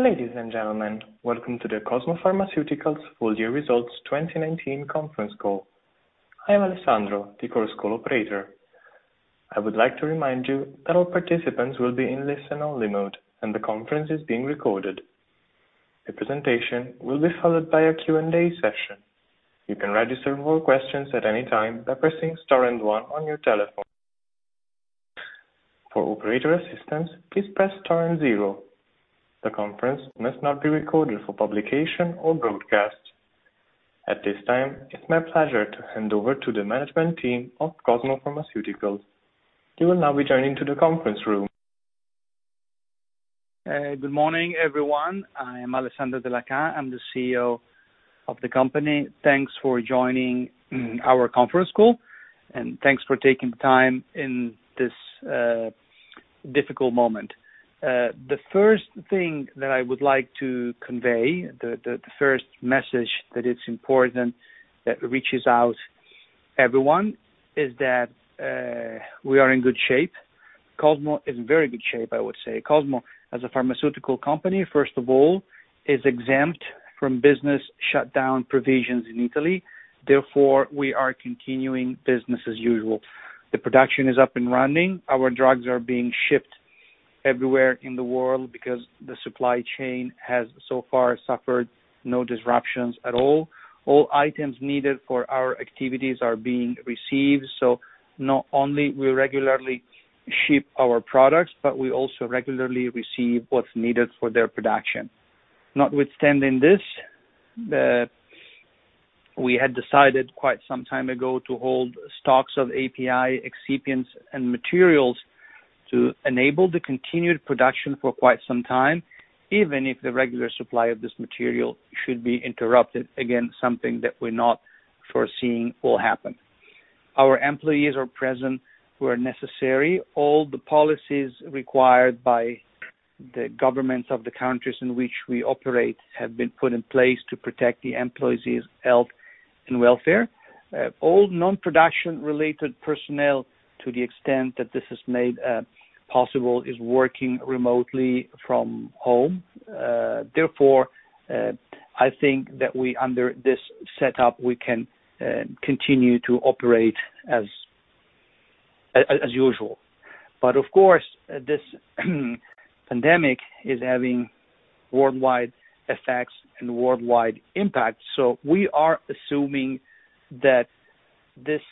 Ladies and gentlemen, welcome to the Cosmo Pharmaceuticals Full Year Results 2019 conference call. I am Alessandro, the Chorus Call Operator. I would like to remind you that all participants will be in listen-only mode, and the conference is being recorded. The presentation will be followed by a Q&A session. You can register more questions at any time by pressing star and one on your telephone. For operator assistance, please press star and zero. The conference must not be recorded for publication or broadcast. At this time, it is my pleasure to hand over to the management team of Cosmo Pharmaceuticals. You will now be journeying to the conference room. Good morning, everyone. I am Alessandro Della Chà. I'm the CEO of the company. Thanks for joining our conference call, and thanks for taking the time in this difficult moment. The first thing that I would like to convey, the first message that it's important that reaches out everyone, is that we are in good shape. Cosmo is in very good shape, I would say. Cosmo, as a pharmaceutical company, first of all, is exempt from business shutdown provisions in Italy. We are continuing business as usual. The production is up and running. Our drugs are being shipped everywhere in the world because the supply chain has so far suffered no disruptions at all. All items needed for our activities are being received. Not only we regularly ship our products, but we also regularly receive what's needed for their production. Notwithstanding this, we had decided quite some time ago to hold stocks of API excipients and materials to enable the continued production for quite some time, even if the regular supply of this material should be interrupted. Again, something that we're not foreseeing will happen. Our employees are present where necessary. All the policies required by the governments of the countries in which we operate have been put in place to protect the employees' health and welfare. All non-production related personnel, to the extent that this is made possible, is working remotely from home. I think that under this setup, we can continue to operate as usual. Of course, this pandemic is having worldwide effects and worldwide impact, we are assuming that this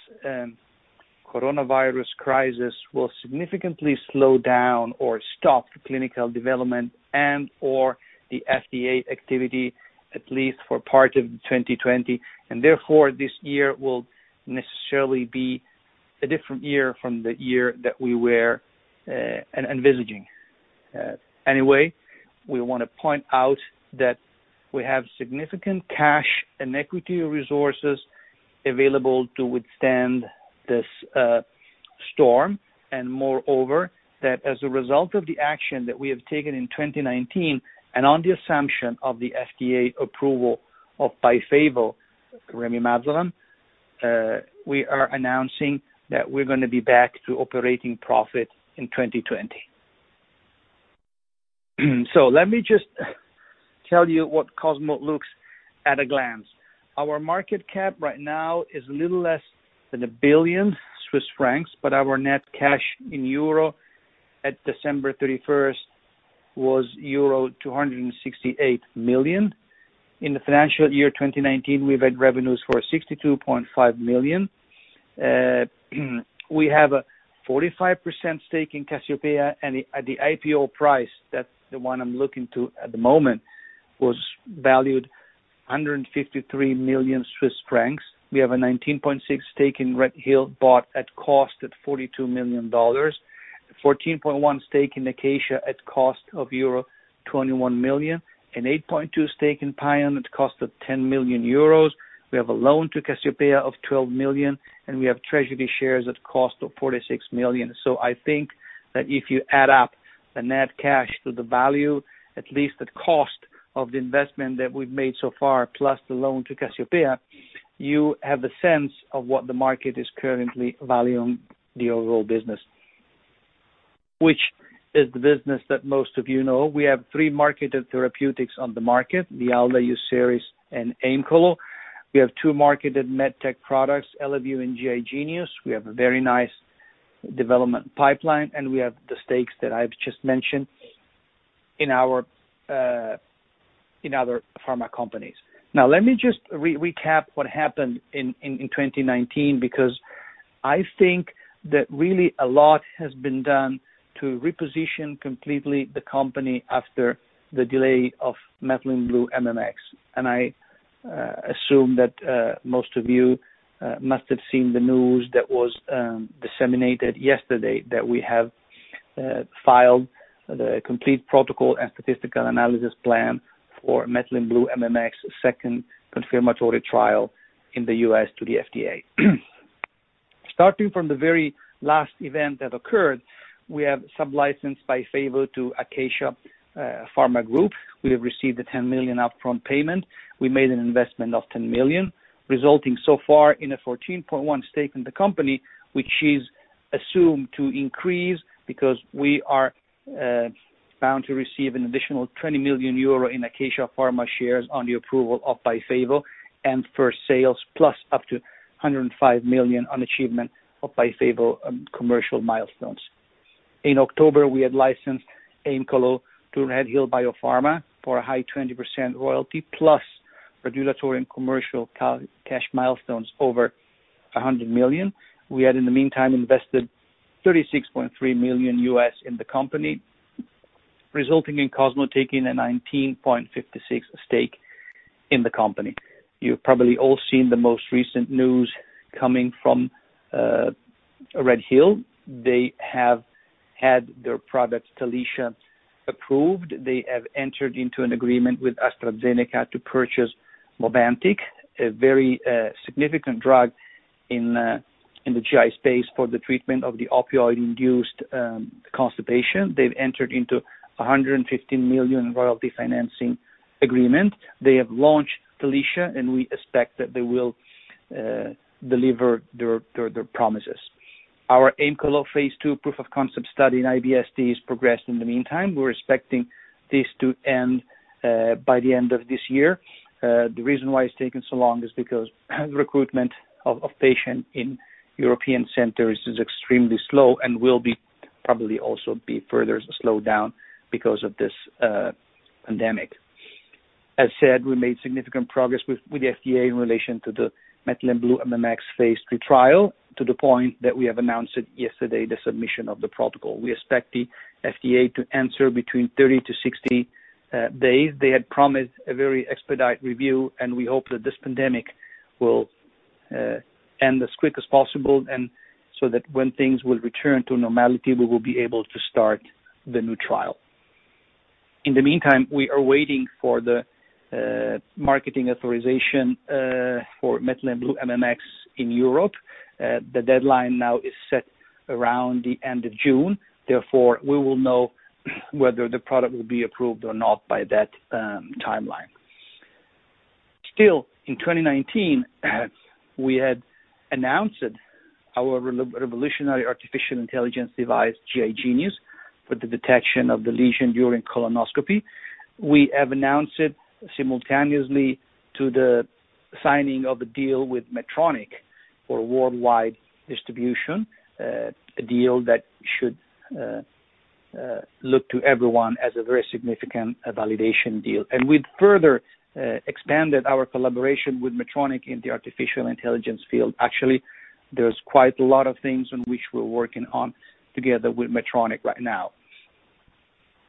coronavirus crisis will significantly slow down or stop clinical development and/or the FDA activity at least for part of 2020, therefore this year will necessarily be a different year from the year that we were envisaging. Anyway, we want to point out that we have significant cash and equity resources available to withstand this storm, moreover, that as a result of the action that we have taken in 2019, on the assumption of the FDA approval of BYFAVO remimazolam, we are announcing that we're going to be back to operating profit in 2020. Let me just tell you what Cosmo looks at a glance. Our market cap right now is a little less than 1 billion Swiss francs, but our net cash in EUR at December 31st was euro 268 million. In the financial year 2019, we've had revenues for 62.5 million. We have a 45% stake in Cassiopea, and at the IPO price, that's the one I'm looking to at the moment, was valued 153 million Swiss francs. We have a 19.6% stake in RedHill, bought at cost at $42 million. 14.1% stake in Acacia at cost of euro 21 million. An 8.2% stake in Paion at cost of 10 million euros. We have a loan to Cassiopea of 12 million, and we have treasury shares at cost of 46 million. I think that if you add up the net cash to the value, at least the cost of the investment that we've made so far, plus the loan to Cassiopea, you have the sense of what the market is currently valuing the overall business. Which is the business that most of you know. We have three marketed therapeutics on the market, LIALDA, UCERIS, and Aemcolo. We have two marketed MedTech products, Eleview and GI Genius. We have a very nice development pipeline, and we have the stakes that I've just mentioned in other pharma companies. Let me just recap what happened in 2019, because I think that really a lot has been done to reposition completely the company after the delay of Methylene Blue MMX. I assume that most of you must have seen the news that was disseminated yesterday that we have filed the complete protocol and statistical analysis plan for Methylene Blue MMX second confirmatory trial in the U.S. to the FDA. Starting from the very last event that occurred, we have sub-licensed BYFAVO to Acacia Pharma Group. We have received a 10 million upfront payment. We made an investment of 10 million, resulting so far in a 14.1% stake in the company, which is assumed to increase because we are bound to receive an additional 20 million euro in Acacia Pharma shares on the approval of BYFAVO and for sales, plus up to 105 million on achievement of BYFAVO commercial milestones. In October, we had licensed Aemcolo to RedHill Biopharma for a high 20% royalty plus regulatory and commercial cash milestones over 100 million. We had, in the meantime, invested $36.3 million in the company, resulting in Cosmo taking a 19.56% stake in the company. You've probably all seen the most recent news coming from RedHill. They have had their product Talicia approved. They have entered into an agreement with AstraZeneca to purchase Movantik, a very significant drug in the GI space for the treatment of opioid-induced constipation. They've entered into 115 million royalty financing agreement. They have launched Talicia. We expect that they will deliver their promises. Our Aemcolo phase II proof of concept study in IBS-D is progressed in the meantime. We're expecting this to end by the end of this year. The reason why it's taking so long is because recruitment of patients in European centers is extremely slow and will probably also be further slowed down because of this pandemic. As said, we made significant progress with the FDA in relation to the Methylene Blue MMX phase II trial, to the point that we have announced it yesterday, the submission of the protocol. We expect the FDA to answer between 30-60 days. They had promised a very expedite review, and we hope that this pandemic will end as quick as possible and so that when things will return to normality, we will be able to start the new trial. In the meantime, we are waiting for the marketing authorization for Methylene Blue MMX in Europe. The deadline now is set around the end of June. Therefore, we will know whether the product will be approved or not by that timeline. Still, in 2019, we had announced our revolutionary artificial intelligence device, GI Genius, for the detection of the lesion during colonoscopy. We have announced it simultaneously to the signing of a deal with Medtronic for worldwide distribution. A deal that should look to everyone as a very significant validation deal. We've further expanded our collaboration with Medtronic in the artificial intelligence field. Actually, there's quite a lot of things on which we're working on together with Medtronic right now.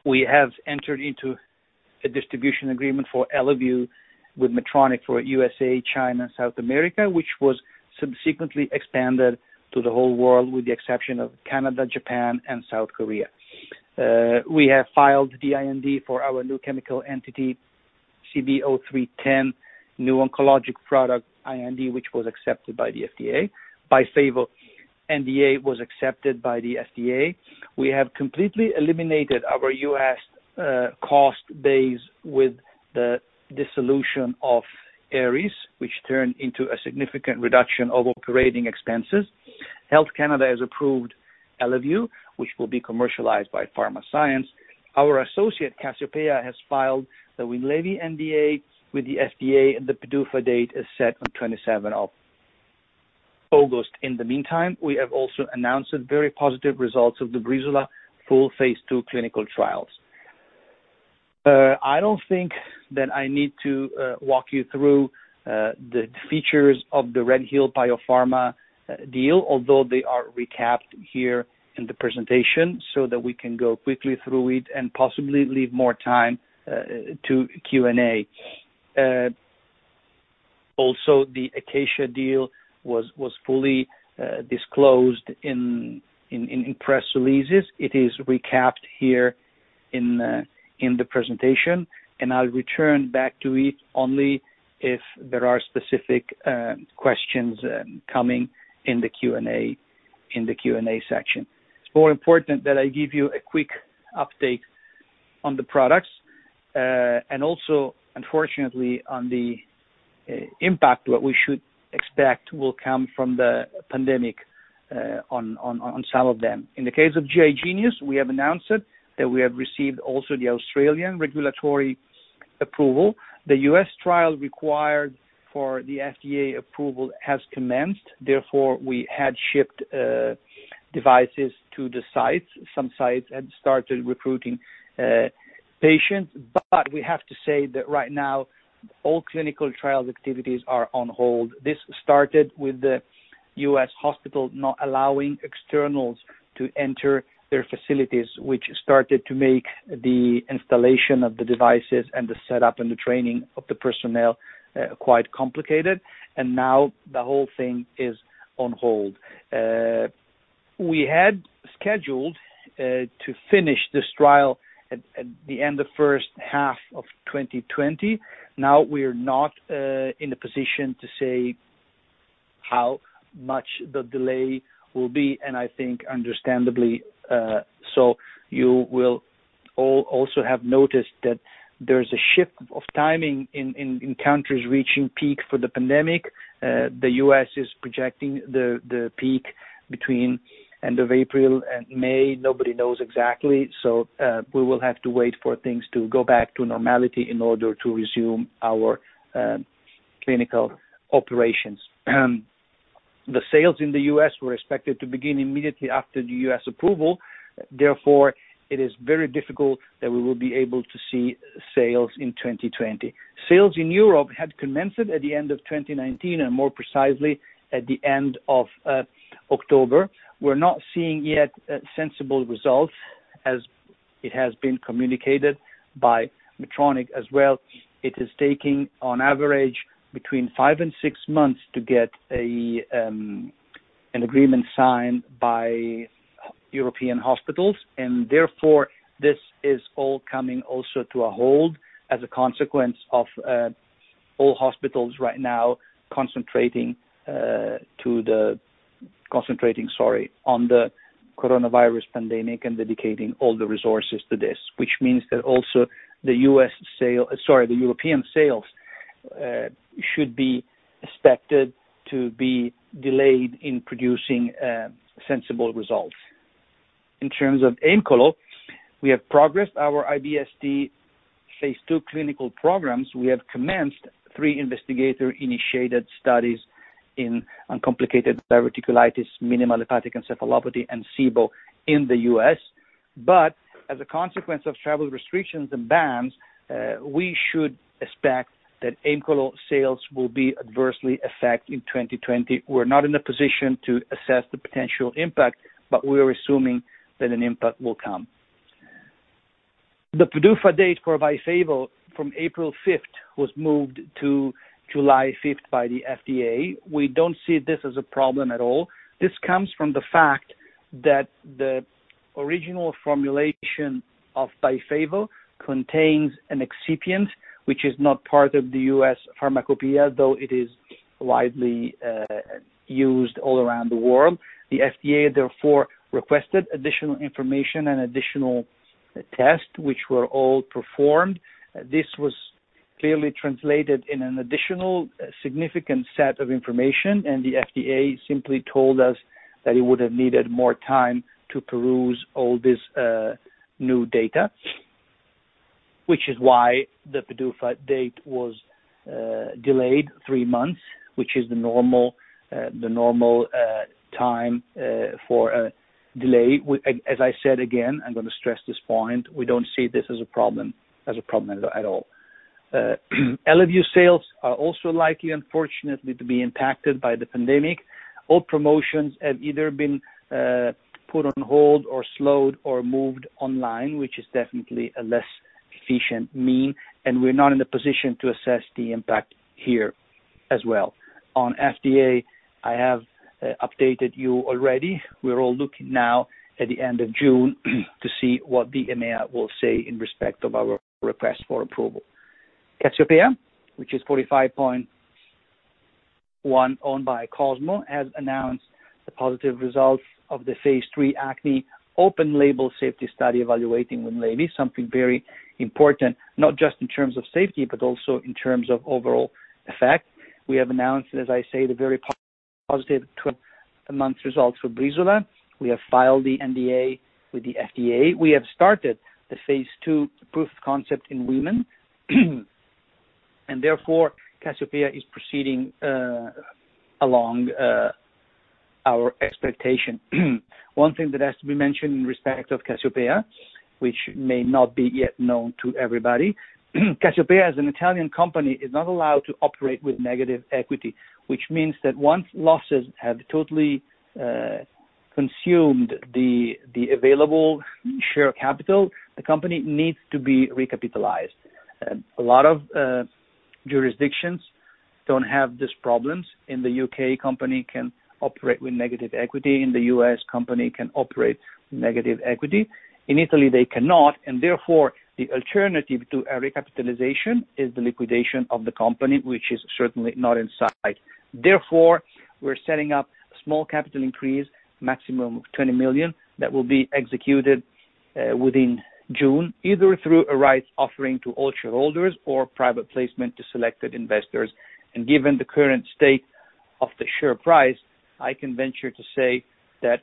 We have entered into a distribution agreement for Eleview with Medtronic for U.S.A., China, South America, which was subsequently expanded to the whole world with the exception of Canada, Japan, and South Korea. We have filed the IND for our new chemical entity, CB-03-10, new oncologic product IND, which was accepted by the FDA. BYFAVO NDA was accepted by the FDA. We have completely eliminated our U.S. cost base with the dissolution of Aries, which turned into a significant reduction of operating expenses. Health Canada has approved Eleview, which will be commercialized by Pharmascience. Our associate, Cassiopea, has filed the Winlevi NDA with the FDA, and the PDUFA date is set on 27th of August. In the meantime, we have also announced very positive results of the Breezula full phase II clinical trials. I don't think that I need to walk you through the features of the RedHill Biopharma deal, although they are recapped here in the presentation so that we can go quickly through it and possibly leave more time to Q&A. The Acacia deal was fully disclosed in press releases. It is recapped here in the presentation, and I'll return back to it only if there are specific questions coming in the Q&A section. It's more important that I give you a quick update on the products and also, unfortunately, on the impact, what we should expect will come from the pandemic on some of them. In the case of GI Genius, we have announced that we have received also the Australian regulatory approval. The U.S. trial required for the FDA approval has commenced. We had shipped devices to the sites. Some sites had started recruiting patients. We have to say that right now, all clinical trial activities are on hold. This started with the U.S. hospital not allowing externals to enter their facilities, which started to make the installation of the devices and the setup and the training of the personnel quite complicated. Now the whole thing is on hold. We had scheduled to finish this trial at the end of first half of 2020. We're not in a position to say how much the delay will be, and I think understandably, so you will also have noticed that there's a shift of timing in countries reaching peak for the pandemic. The U.S. is projecting the peak between end of April and May. Nobody knows exactly. We will have to wait for things to go back to normality in order to resume our clinical operations. The sales in the U.S. were expected to begin immediately after the U.S. approval. Therefore, it is very difficult that we will be able to see sales in 2020. Sales in Europe had commenced at the end of 2019, and more precisely, at the end of October. We're not seeing yet sensible results as it has been communicated by Medtronic as well. It is taking on average between five and six months to get an agreement signed by European hospitals. Therefore, this is all coming also to a hold as a consequence of all hospitals right now concentrating on the coronavirus pandemic and dedicating all the resources to this. Which means that also the European sales should be expected to be delayed in producing sensible results. In terms of Aemcolo, we have progressed our IBS-D phase II clinical programs. We have commenced three investigator-initiated studies in uncomplicated diverticulitis, minimal hepatic encephalopathy, and SIBO in the U.S. As a consequence of travel restrictions and bans, we should expect that Aemcolo sales will be adversely affected in 2020. We're not in a position to assess the potential impact, but we're assuming that an impact will come. The PDUFA date for BYFAVO from April 5th was moved to July 5th by the FDA. We don't see this as a problem at all. This comes from the fact that the original formulation of BYFAVO contains an excipient, which is not part of the U.S. Pharmacopeia, though it is widely used all around the world. The FDA therefore requested additional information and additional tests, which were all performed. The FDA simply told us that it would've needed more time to peruse all this new data, which is why the PDUFA date was delayed three months, which is the normal time for a delay. As I said, again, I'm going to stress this point, we don't see this as a problem at all. Eleview sales are also likely, unfortunately, to be impacted by the pandemic. All promotions have either been put on hold or slowed or moved online, which is definitely a less efficient mean, and we're not in the position to assess the impact here as well. On FDA, I have updated you already. We're all looking now at the end of June to see what the EMA will say in respect of our request for approval. Cassiopea, which is 45.1 owned by Cosmo, has announced the positive results of the phase III acne open label safety study evaluating Winlevi, something very important, not just in terms of safety, but also in terms of overall effect. We have announced, as I say, the very positive 12-month results for Breezula. We have filed the NDA with the FDA. We have started the phase II proof concept in women. Therefore, Cassiopea is proceeding along our expectation. One thing that has to be mentioned in respect of Cassiopea, which may not be yet known to everybody, Cassiopea as an Italian company, is not allowed to operate with negative equity, which means that once losses have totally consumed the available share capital, the company needs to be recapitalized. A lot of jurisdictions don't have these problems. In the U.K., a company can operate with negative equity. In the U.S., a company can operate with negative equity. In Italy, they cannot, and therefore, the alternative to a recapitalization is the liquidation of the company, which is certainly not in sight. Therefore, we're setting up a small capital increase, maximum of 20 million, that will be executed within June, either through a rights offering to all shareholders or private placement to selected investors. Given the current state of the share price, I can venture to say that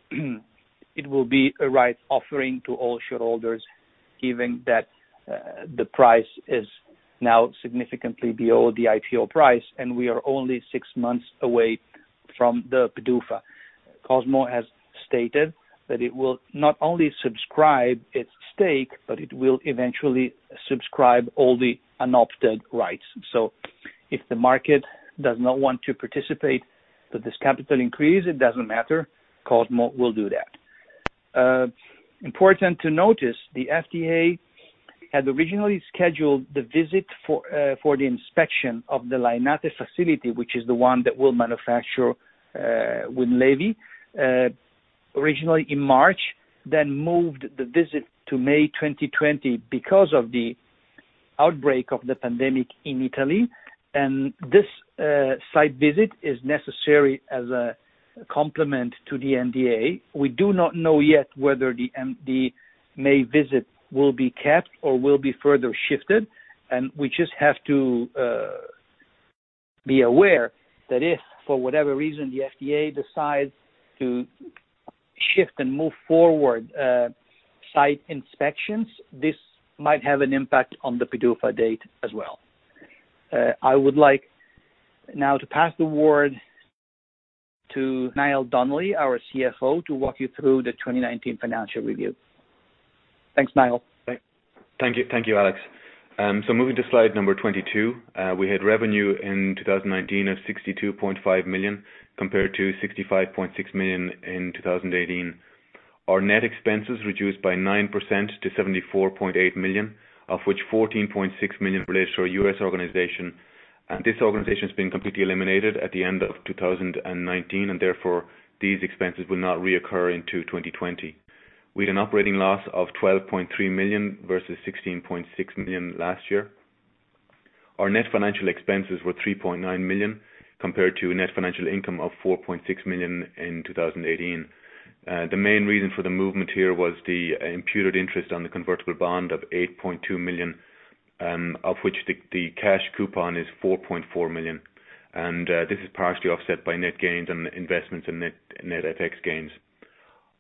it will be a rights offering to all shareholders, given that the price is now significantly below the IPO price, and we are only six months away from the PDUFA. Cosmo has stated that it will not only subscribe its stake, but it will eventually subscribe all the unopted rights. If the market does not want to participate to this capital increase, it doesn't matter. Cosmo will do that. Important to notice, the FDA had originally scheduled the visit for the inspection of the Lainate facility, which is the one that will manufacture Winlevi, originally in March, then moved the visit to May 2020 because of the outbreak of the pandemic in Italy. This site visit is necessary as a complement to the NDA. We do not know yet whether the May visit will be kept or will be further shifted. We just have to be aware that if, for whatever reason, the FDA decides to shift and move forward site inspections, this might have an impact on the PDUFA date as well. I would like now to pass the word to Niall Donnelly, our CFO, to walk you through the 2019 financial review. Thanks, Niall. Thank you, Alex. Moving to slide number 22. We had revenue in 2019 of 62.5 million, compared to 65.6 million in 2018. Our net expenses reduced by 9% to 74.8 million, of which 14.6 million relates to our U.S. organization. This organization's been completely eliminated at the end of 2019, and therefore, these expenses will not reoccur into 2020. We had an operating loss of 12.3 million versus 16.6 million last year. Our net financial expenses were 3.9 million, compared to net financial income of 4.6 million in 2018. The main reason for the movement here was the imputed interest on the convertible bond of 8.2 million, of which the cash coupon is 4.4 million. This is partially offset by net gains on investments and net FX gains.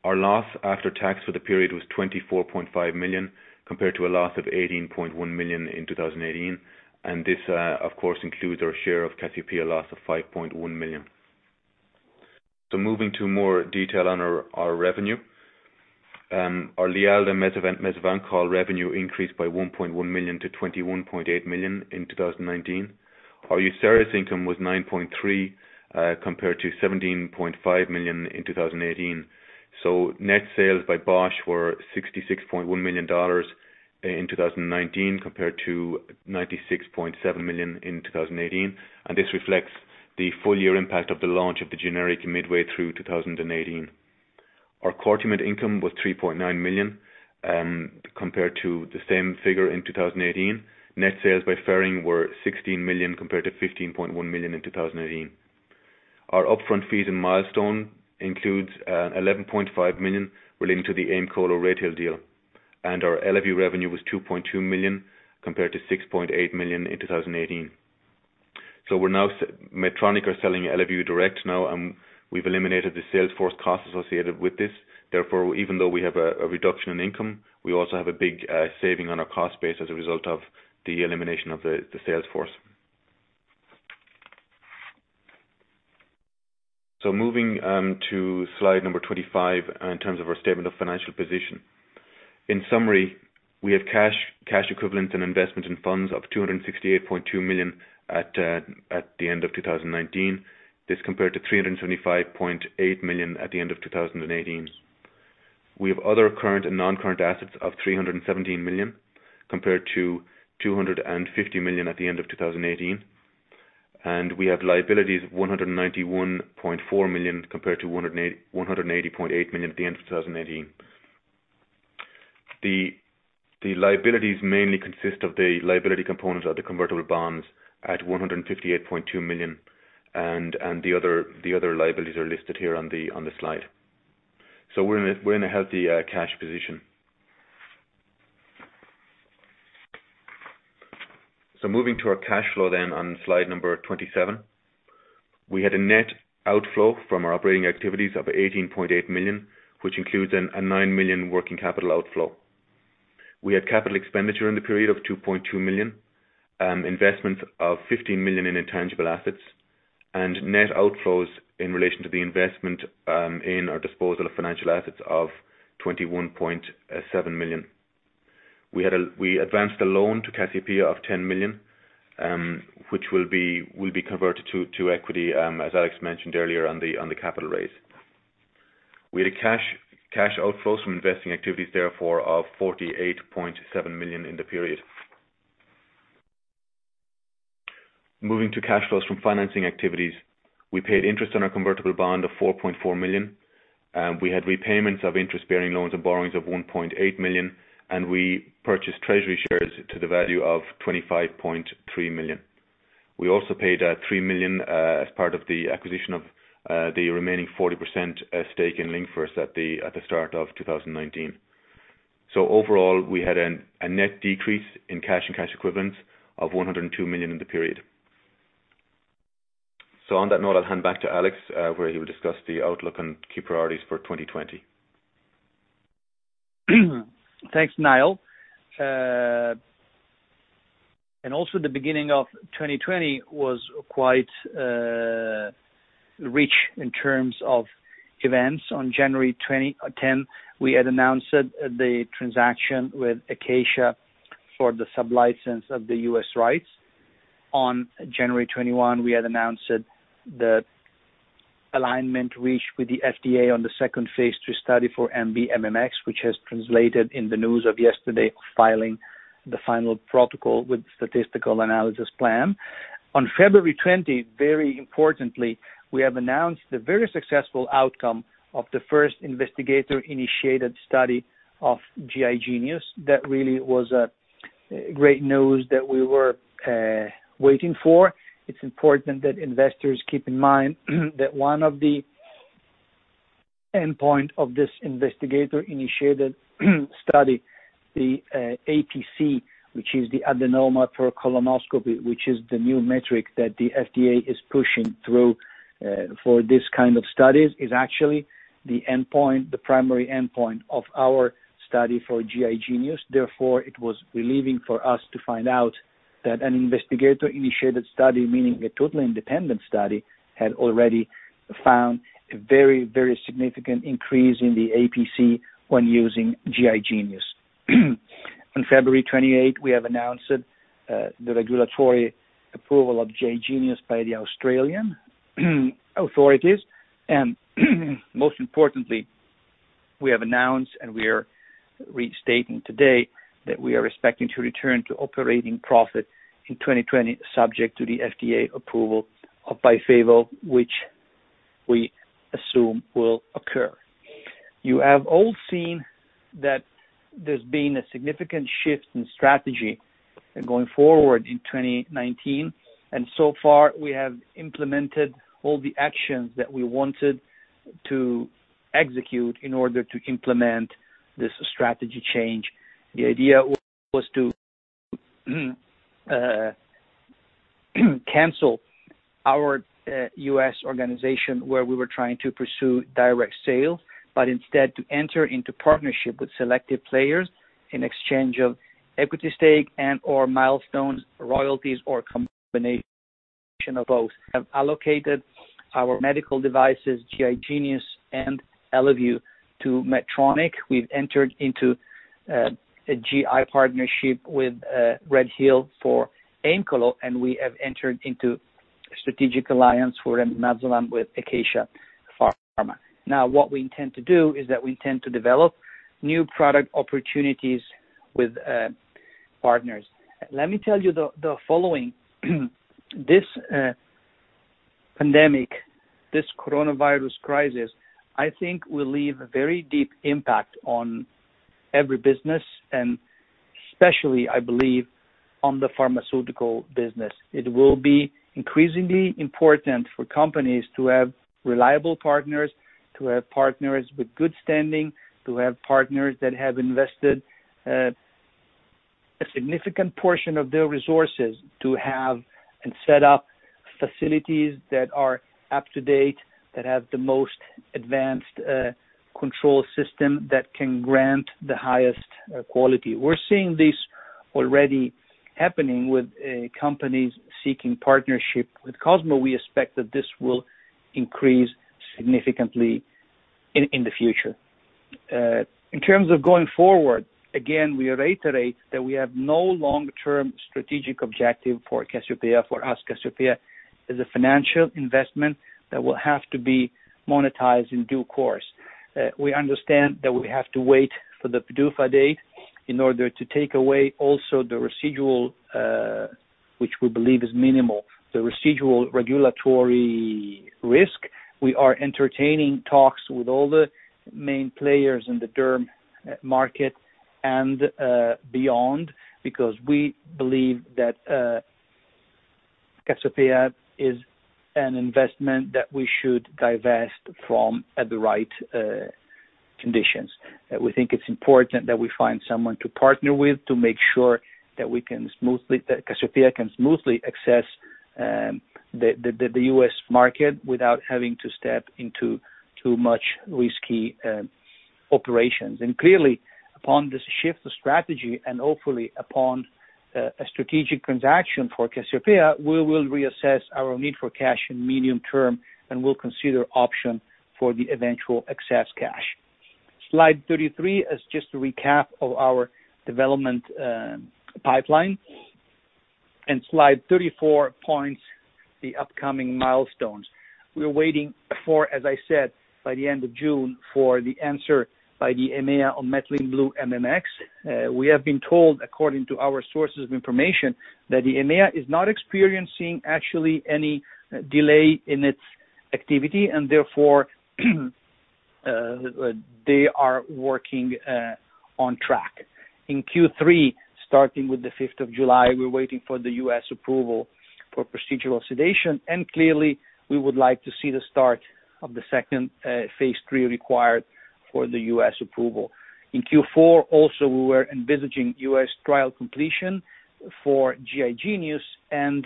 Our loss after tax for the period was 24.5 million, compared to a loss of 18.1 million in 2018. This, of course, includes our share of Cassiopea loss of 5.1 million. Moving to more detail on our revenue. Our LIALDA/Mesavancol revenue increased by 1.1 million to 21.8 million in 2019. Our UCERIS income was 9.3 million, compared to 17.5 million in 2018. Net sales by Bausch were $66.1 million in 2019, compared to $96.7 million in 2018. This reflects the full year impact of the launch of the generic midway through 2018. Our Cortiment income was 3.9 million, compared to the same figure in 2018. Net sales by Ferring were 16 million, compared to 15.1 million in 2018. Our upfront fees and milestone includes 11.5 million relating to the Aemcolo/Oratane deal. Our Eleview revenue was 2.2 million, compared to 6.8 million in 2018. Medtronic are selling Eleview direct now, and we've eliminated the sales force costs associated with this. Therefore, even though we have a reduction in income, we also have a big saving on our cost base as a result of the elimination of the sales force. Moving to slide number 25 in terms of our statement of financial position. In summary, we have cash equivalents, and investments in funds of 268.2 million at the end of 2019. This compared to 325.8 million at the end of 2018. We have other current and non-current assets of 317 million, compared to 250 million at the end of 2018. We have liabilities of 191.4 million, compared to 180.8 million CHF at the end of 2018. The liabilities mainly consist of the liability components of the convertible bonds at 158.2 million, and the other liabilities are listed here on the slide. We're in a healthy cash position. Moving to our cash flow then on slide number 27. We had a net outflow from our operating activities of 18.8 million, which includes a 9 million working capital outflow. We had capital expenditure in the period of 2.2 million, investments of 15 million in intangible assets, and net outflows in relation to the investment in our disposal of financial assets of 21.7 million. We advanced a loan to Cassiopea of 10 million, which will be converted to equity, as Alex mentioned earlier on the capital raise. We had cash outflows from investing activities therefore of 48.7 million in the period. Moving to cash flows from financing activities. We paid interest on our convertible bond of 4.4 million. We had repayments of interest-bearing loans and borrowings of 1.8 million, and we purchased treasury shares to the value of 25.3 million. We also paid out 3 million as part of the acquisition of the remaining 40% stake in Linkverse at the start of 2019. Overall, we had a net decrease in cash and cash equivalents of 102 million in the period. On that note, I'll hand back to Alex, where he will discuss the outlook and key priorities for 2020. Thanks, Niall. Also the beginning of 2020 was quite rich in terms of events. On January 10th, we had announced the transaction with Acacia for the sub-license of the U.S. rights. On January 21st, we had announced the alignment reached with the FDA on the second phase II study for MB-MMX, which has translated in the news of yesterday of filing the final protocol with statistical analysis plan. On February 20th, very importantly, we have announced the very successful outcome of the first investigator-initiated study of GI Genius. That really was a great news that we were waiting for. It's important that investors keep in mind that one of the endpoint of this investigator-initiated study, the APC, which is the adenoma per colonoscopy, which is the new metric that the FDA is pushing through for this kind of studies, is actually the primary endpoint of our study for GI Genius. It was relieving for us to find out that an investigator-initiated study, meaning a total independent study, had already found a very, very significant increase in the APC when using GI Genius. On February 28, we have announced the regulatory approval of GI Genius by the Australian authorities. Most importantly, we have announced, and we are restating today, that we are expecting to return to operating profit in 2020, subject to the FDA approval of BYFAVO, which we assume will occur. You have all seen that there's been a significant shift in strategy going forward in 2019. So far, we have implemented all the actions that we wanted to execute in order to implement this strategy change. The idea was to cancel our U.S. organization where we were trying to pursue direct sale, instead to enter into partnership with selected players in exchange of equity stake and/or milestones, royalties, or a combination of both. We have allocated our medical devices, GI Genius and Eleview, to Medtronic. We've entered into a GI partnership with RedHill for Aemcolo, we have entered into a strategic alliance for remimazolam with Acacia Pharma. What we intend to do is that we intend to develop new product opportunities with partners. Let me tell you the following. This pandemic, this coronavirus crisis, I think will leave a very deep impact on every business, especially, I believe, on the pharmaceutical business. It will be increasingly important for companies to have reliable partners, to have partners with good standing, to have partners that have invested a significant portion of their resources to have and set up facilities that are up to date, that have the most advanced control system that can grant the highest quality. We are seeing this already happening with companies seeking partnership with Cosmo. We expect that this will increase significantly in the future. In terms of going forward, again, we reiterate that we have no long-term strategic objective for Cassiopea. For us, Cassiopea is a financial investment that will have to be monetized in due course. We understand that we have to wait for the PDUFA date in order to take away also, which we believe is minimal, the residual regulatory risk. We are entertaining talks with all the main players in the derm market and beyond because we believe that Cassiopea is an investment that we should divest from at the right conditions. We think it's important that we find someone to partner with to make sure that Cassiopea can smoothly access the US market without having to step into too much risky operations. Clearly, upon this shift of strategy, and hopefully upon a strategic transaction for Cassiopea, we will reassess our need for cash in medium term and will consider option for the eventual excess cash. Slide 33 is just a recap of our development pipeline. Slide 34 points the upcoming milestones. We're waiting for, as I said, by the end of June for the answer by the EMEA on Methylene Blue MMX. We have been told, according to our sources of information, that the EMEA is not experiencing actually any delay in its activity. Therefore, they are working on track. In Q3, starting with the 5th of July, we're waiting for the U.S. approval for procedural sedation. Clearly, we would like to see the start of the second phase III required for the U.S. approval. In Q4 also, we were envisaging U.S. trial completion for GI Genius and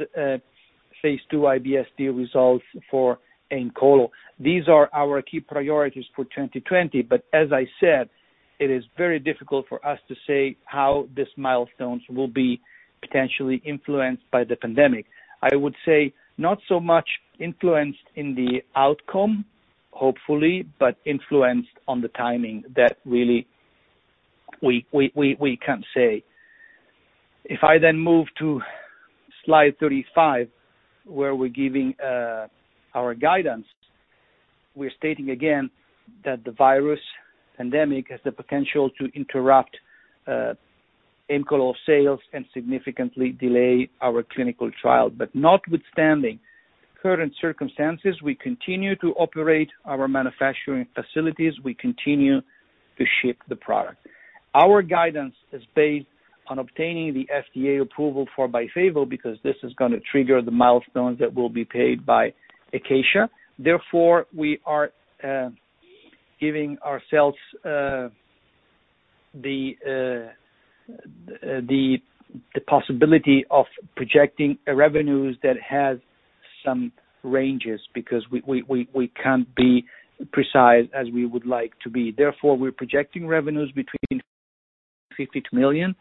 phase II IBS-D results for Aemcolo. These are our key priorities for 2020. As I said, it is very difficult for us to say how these milestones will be potentially influenced by the pandemic. I would say not so much influenced in the outcome, hopefully, but influenced on the timing that really we can't say. If I move to slide 35, where we're giving our guidance. We're stating again that the virus pandemic has the potential to interrupt Aemcolo sales and significantly delay our clinical trial. Notwithstanding current circumstances, we continue to operate our manufacturing facilities. We continue to ship the product. Our guidance is based on obtaining the FDA approval for BYFAVO because this is going to trigger the milestones that will be paid by Acacia. We are giving ourselves the possibility of projecting revenues that have some ranges because we can't be precise as we would like to be. We're projecting revenues between 52 million to 56 million.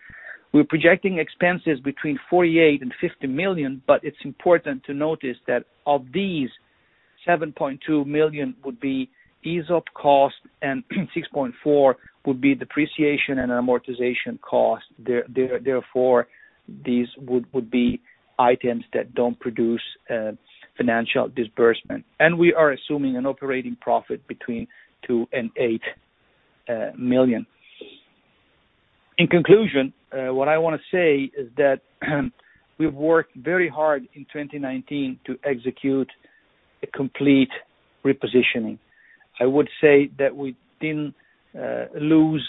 We're projecting expenses between 48 million and 50 million, it's important to notice that of these, 7.2 million would be ESOP cost and 6.4 would be depreciation and amortization cost. These would be items that don't produce financial disbursement. We are assuming an operating profit between 2 million and 8 million. In conclusion, what I want to say is that we've worked very hard in 2019 to execute a complete repositioning. I would say that we didn't lose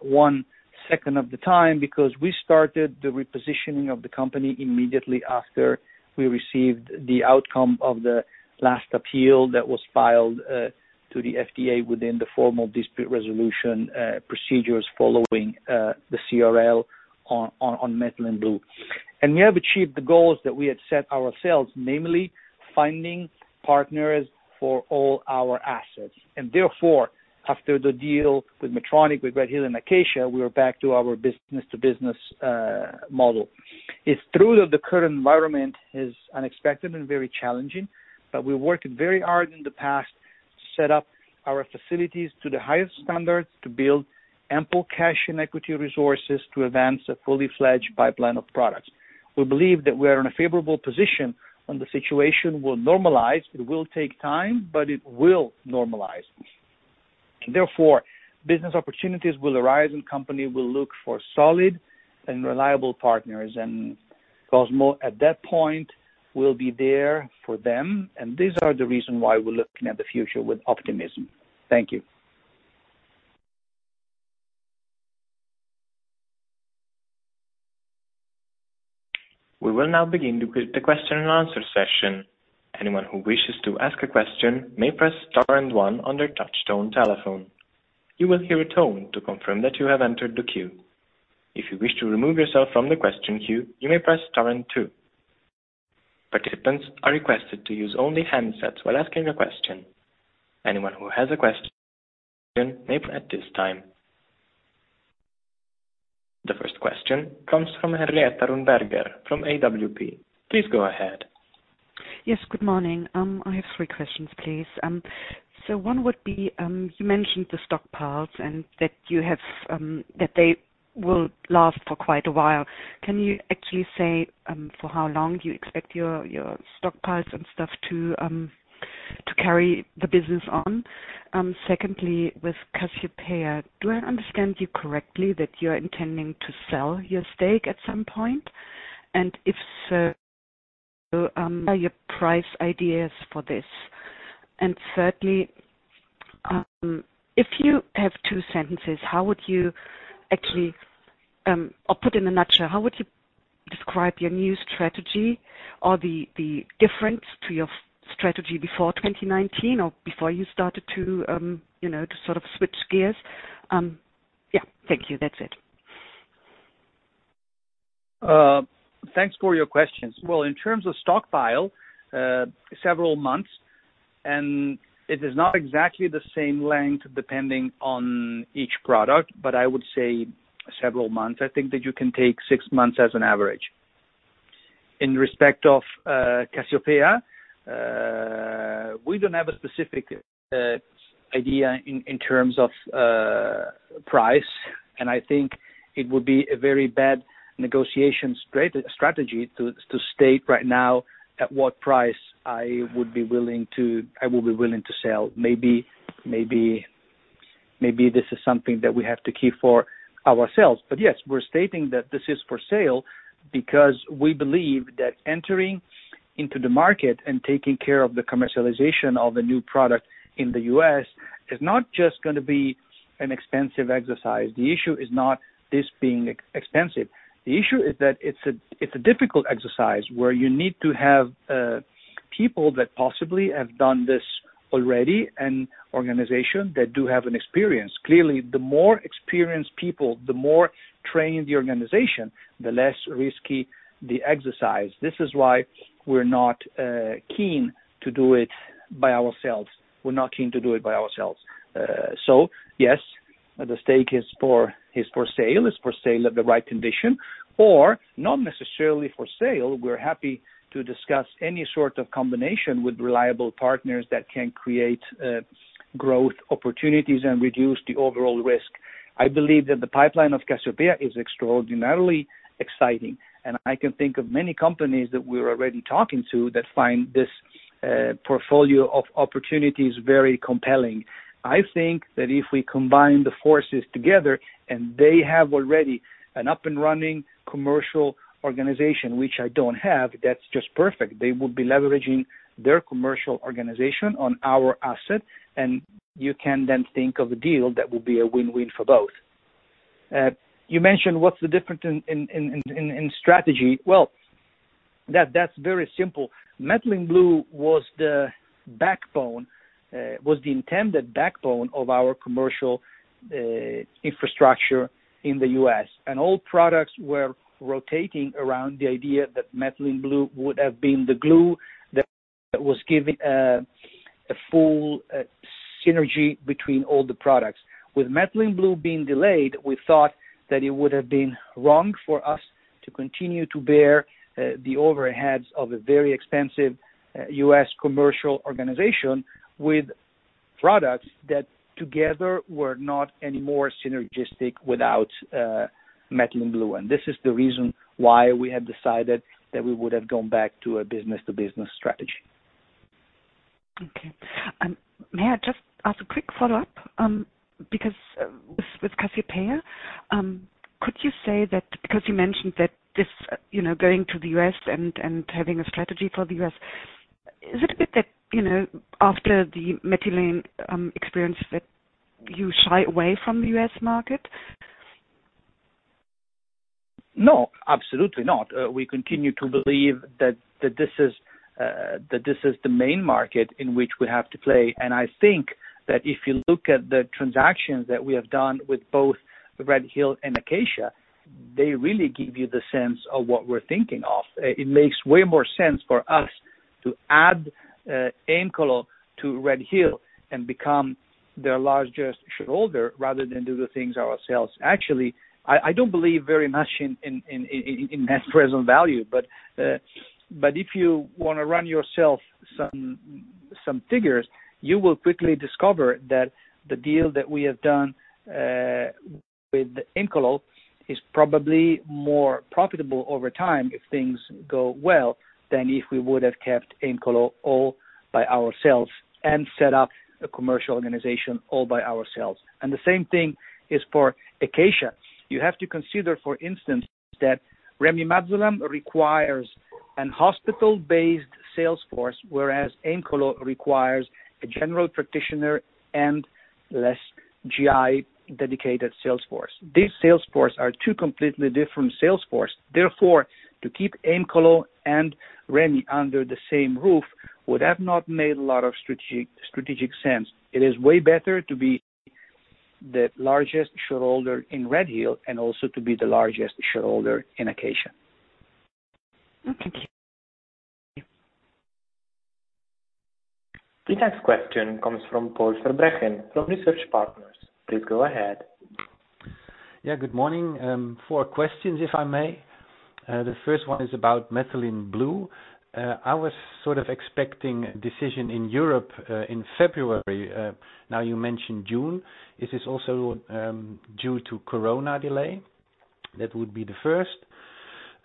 one second of the time because we started the repositioning of the company immediately after we received the outcome of the last appeal that was filed to the FDA within the formal dispute resolution procedures following the CRL on Methylene Blue. We have achieved the goals that we had set ourselves, namely, finding partners for all our assets. Therefore, after the deal with Medtronic, with RedHill, and Acacia, we are back to our business-to-business model. It's true that the current environment is unexpected and very challenging, but we worked very hard in the past to set up our facilities to the highest standards to build ample cash and equity resources to advance a fully fledged pipeline of products. We believe that we are in a favorable position when the situation will normalize. It will take time, but it will normalize. Therefore, business opportunities will arise and company will look for solid and reliable partners, and Cosmo at that point will be there for them. These are the reason why we're looking at the future with optimism. Thank you. We will now begin the question and answer session. Anyone who wishes to ask a question may press star and one on their touch-tone telephone. You will hear a tone to confirm that you have entered the queue. If you wish to remove yourself from the question queue, you may press star and two. Participants are requested to use only handsets while asking a question. Anyone who has a question may at this time. The first question comes from Henrietta Rumberger from AWP. Please go ahead. Yes, good morning. I have three questions, please. One would be, you mentioned the stockpiles and that they will last for quite a while. Can you actually say, for how long do you expect your stockpiles and stuff to carry the business on? Secondly, with Cassiopea, do I understand you correctly that you're intending to sell your stake at some point? If so, what are your price ideas for this? Thirdly, if you have two sentences, or put in a nutshell, how would you describe your new strategy or the difference to your strategy before 2019 or before you started to sort of switch gears? Yeah, thank you. That's it. Thanks for your questions. Well, in terms of stockpile, several months. It is not exactly the same length depending on each product, but I would say several months. I think that you can take six months as an average. In respect of Cassiopea, we don't have a specific idea in terms of price. I think it would be a very bad negotiation strategy to state right now at what price I will be willing to sell. Maybe this is something that we have to keep for ourselves. Yes, we're stating that this is for sale because we believe that entering into the market and taking care of the commercialization of a new product in the U.S. is not just going to be an expensive exercise. The issue is not this being expensive. The issue is that it's a difficult exercise where you need to have people that possibly have done this already and organization that do have an experience. Clearly, the more experienced people, the more trained the organization, the less risky the exercise. This is why we're not keen to do it by ourselves. Yes, the stake is for sale at the right condition, or not necessarily for sale. We're happy to discuss any sort of combination with reliable partners that can create growth opportunities and reduce the overall risk. I believe that the pipeline of Cassiopea is extraordinarily exciting, and I can think of many companies that we're already talking to that find this portfolio of opportunities very compelling. I think that if we combine the forces together, and they have already an up-and-running commercial organization, which I don't have, that's just perfect. They will be leveraging their commercial organization on our asset, and you can then think of a deal that will be a win-win for both. You mentioned what's the difference in strategy. Well, that's very simple. Methylene Blue was the intended backbone of our commercial infrastructure in the U.S. All products were rotating around the idea that Methylene Blue would have been the glue that was giving a full synergy between all the products. With Methylene Blue being delayed, we thought that it would have been wrong for us to continue to bear the overheads of a very expensive U.S. commercial organization with products that together were not any more synergistic without Methylene Blue. This is the reason why we have decided that we would have gone back to a business-to-business strategy. Okay. May I just ask a quick follow-up? With Cassiopea, could you say that because you mentioned that going to the U.S. and having a strategy for the U.S., is it a bit that, after the Methylene experience that you shy away from the US market? No, absolutely not. We continue to believe that this is the main market in which we have to play. I think that if you look at the transactions that we have done with both RedHill and Acacia, they really give you the sense of what we're thinking of. It makes way more sense for us to add Aemcolo to RedHill and become their largest shareholder, rather than do the things ourselves. Actually, I don't believe very much in net present value. If you want to run yourself some figures, you will quickly discover that the deal that we have done with Aemcolo is probably more profitable over time if things go well than if we would have kept Aemcolo all by ourselves and set up a commercial organization all by ourselves. The same thing is for Acacia. You have to consider, for instance, that remimazolam requires an hospital-based sales force, whereas Aemcolo requires a general practitioner and less GI-dedicated sales force. These sales force are two completely different sales force. Therefore, to keep Aemcolo and Remy under the same roof would have not made a lot of strategic sense. It is way better to be the largest shareholder in RedHill and also to be the largest shareholder in Acacia. Okay. The next question comes from Paul Verbraeken from Research Partners. Please go ahead. Yeah, good morning. Four questions, if I may. The first one is about Methylene Blue. I was sort of expecting a decision in Europe, in February. Now you mentioned June. Is this also due to corona delay? That would be the first.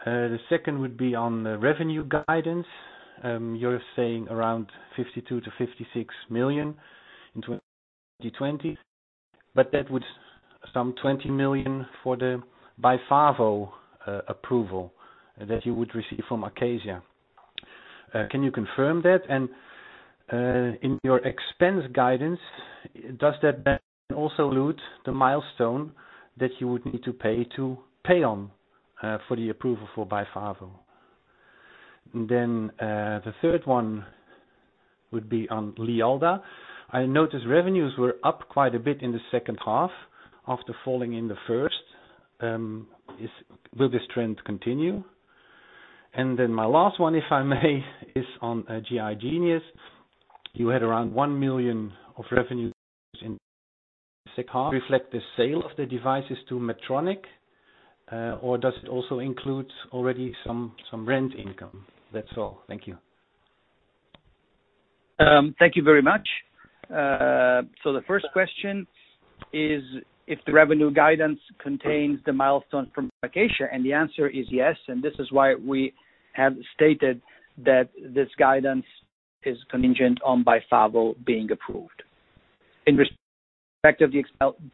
The second would be on the revenue guidance. You're saying around 52 million-56 million in 2020, but that would sum 20 million for the BYFAVO approval that you would receive from Acacia. Can you confirm that? In your expense guidance, does that then also include the milestone that you would need to pay to Paion for the approval for BYFAVO? The third one would be on LIALDA. I noticed revenues were up quite a bit in the second half after falling in the first. Will this trend continue? My last one, if I may, is on GI Genius. You had around 1 million of revenues in the second half. Does this reflect the sale of the devices to Medtronic? Does it also include already some rent income? That's all. Thank you. Thank you very much. The first question is if the revenue guidance contains the milestone from Acacia Pharma, and the answer is yes, and this is why we have stated that this guidance is contingent on BYFAVO being approved. In respect of the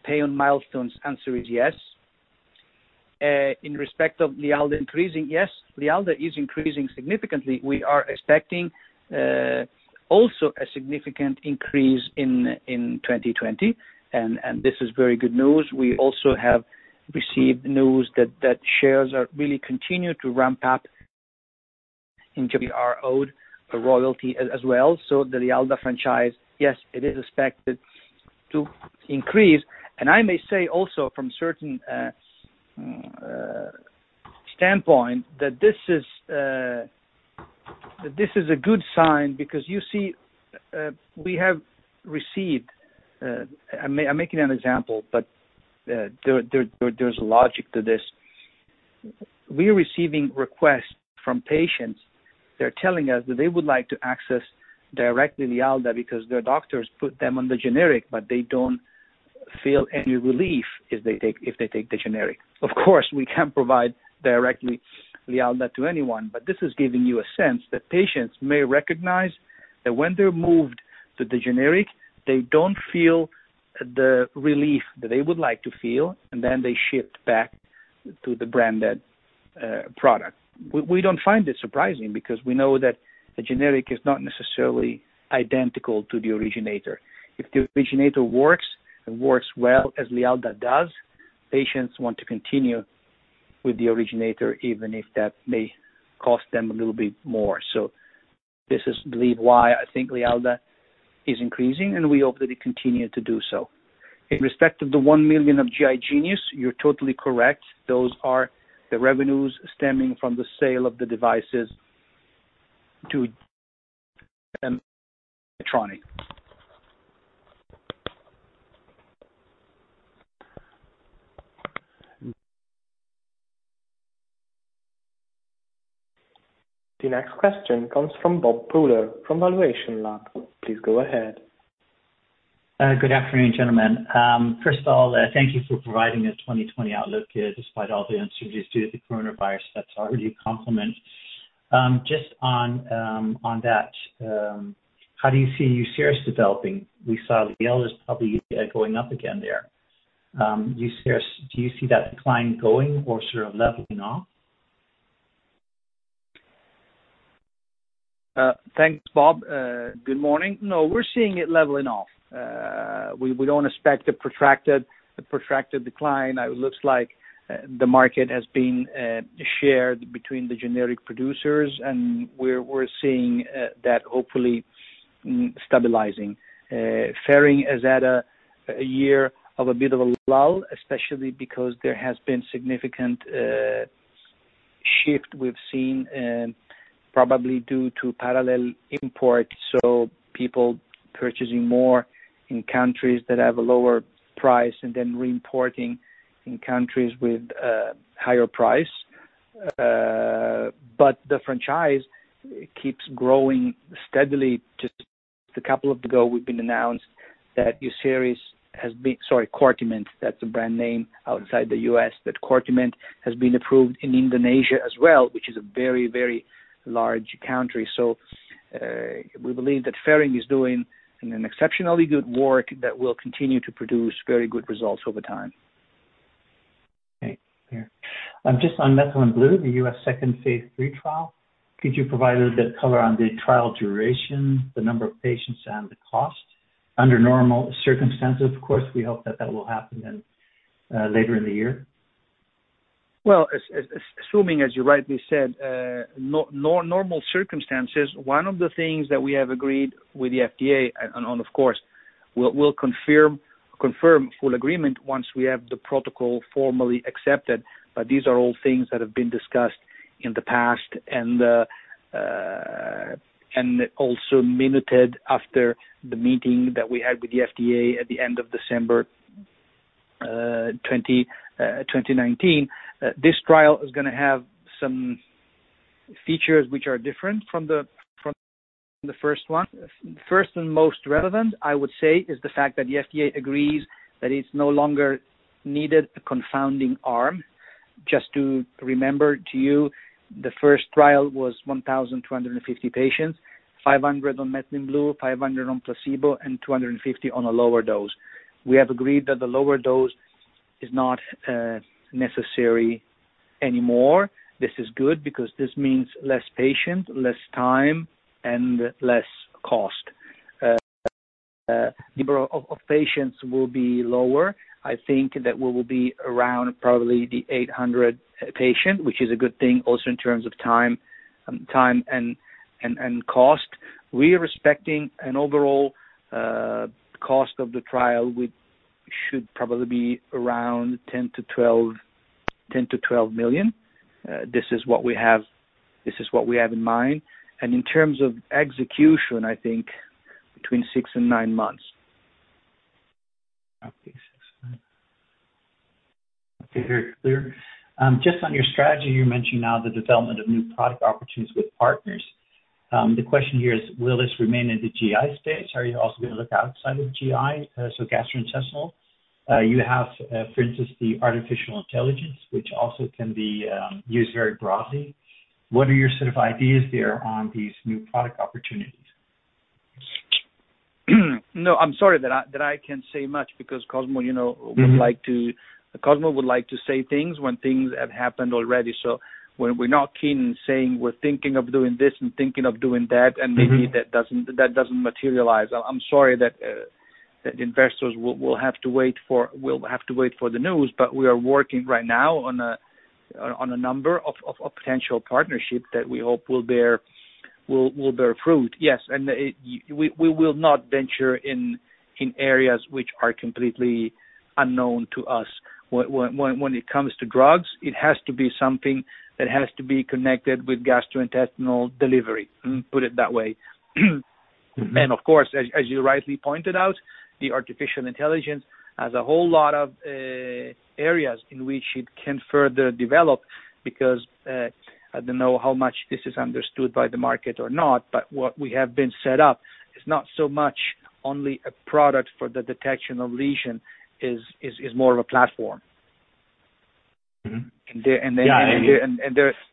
Paion milestones, answer is yes. In respect of LIALDA increasing, yes, LIALDA is increasing significantly. We are expecting also a significant increase in 2020, and this is very good news. We also have received news that shares are really continuing to ramp up and we are owed a royalty as well. The LIALDA franchise, yes, it is expected to increase. I may say also from certain standpoint that this is a good sign because you see, we have received. I'm making an example, but there's logic to this. We are receiving requests from patients. They're telling us that they would like to access directly LIALDA because their doctors put them on the generic, but they don't feel any relief if they take the generic. Of course, we can't provide directly LIALDA to anyone, but this is giving you a sense that patients may recognize that when they're moved to the generic, they don't feel the relief that they would like to feel, and then they shift back to the branded product. We don't find this surprising because we know that the generic is not necessarily identical to the originator. If the originator works and works well as LIALDA does, patients want to continue with the originator even if that may cost them a little bit more. This is, I believe, why I think LIALDA is increasing, and we hope that it continue to do so. In respect of the 1 million of GI Genius, you're totally correct. Those are the revenues stemming from the sale of the devices to Medtronic. The next question comes from Bob Pooler from valuationLAB. Please go ahead. Good afternoon, gentlemen. First of all, thank you for providing a 2020 outlook despite all the uncertainties due to the coronavirus. That's already a compliment. Just on that, how do you see UCERIS developing? We saw LIALDA is probably going up again there. UCERIS, do you see that decline going or sort of leveling off? Thanks, Bob. Good morning. We're seeing it leveling off. We don't expect a protracted decline. It looks like the market has been shared between the generic producers, and we're seeing that hopefully stabilizing. Ferring has had a year of a bit of a lull, especially because there has been significant shift we've seen probably due to parallel imports. People purchasing more in countries that have a lower price and then re-importing in countries with a higher price. The franchise keeps growing steadily. Just a couple of ago, we've been announced that UCERIS has been sorry, Cortiment, that's the brand name outside the U.S., that Cortiment has been approved in Indonesia as well, which is a very, very large country. We believe that Ferring is doing an exceptionally good work that will continue to produce very good results over time. Okay. Clear. Just on Methylene Blue, the U.S. second phase III trial, could you provide a bit of color on the trial duration, the number of patients, and the cost under normal circumstances? Of course, we hope that that will happen then later in the year. Assuming, as you rightly said, normal circumstances, one of the things that we have agreed with the FDA and on, of course, we'll confirm full agreement once we have the protocol formally accepted. These are all things that have been discussed in the past and also minuted after the meeting that we had with the FDA at the end of December 2019. This trial is going to have some features which are different from the first one. First and most relevant, I would say, is the fact that the FDA agrees that it's no longer needed a confounding arm. Just to remember to you, the first trial was 1,250 patients, 500 on Methylene Blue, 500 on placebo, and 250 on a lower dose. We have agreed that the lower dose is not necessary anymore. This is good because this means less patient, less time, and less cost. Number of patients will be lower. I think that we will be around probably the 800 patient, which is a good thing also in terms of time and cost. We are expecting an overall cost of the trial, which should probably be around 10 million-12 million. This is what we have in mind. In terms of execution, I think between six and nine months. Okay. Six months. Very clear. Just on your strategy, you mentioned now the development of new product opportunities with partners. The question here is, will this remain in the GI space? Are you also going to look outside of GI? gastrointestinal. You have, for instance, the artificial intelligence, which also can be used very broadly. What are your sort of ideas there on these new product opportunities? I'm sorry that I can't say much because Cosmo would like to say things when things have happened already. We're not keen in saying we're thinking of doing this and thinking of doing that, and maybe that doesn't materialize. I'm sorry that investors will have to wait for the news. We are working right now on a number of potential partnerships that we hope will bear fruit. Yes. We will not venture in areas which are completely unknown to us. When it comes to drugs, it has to be something that has to be connected with gastrointestinal delivery. Put it that way. Of course, as you rightly pointed out, the artificial intelligence has a whole lot of areas in which it can further develop because, I don't know how much this is understood by the market or not, but what we have been set up is not so much only a product for the detection of lesion, is more of a platform. Yeah.